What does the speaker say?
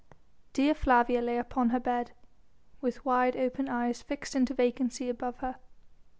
Dea Flavia lay upon her bed, with wide open eyes fixed into vacancy above her.